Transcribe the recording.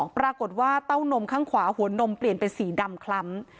ปรากฏว่าเต้านมข้างขวาหัวนมเปลี่ยนเป็นสีดำคล้ำ